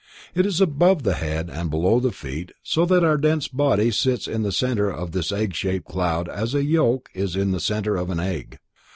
It is above the head and below the feet so that our dense body sits in the center of this egg shaped cloud as the yolk is in the center of an egg.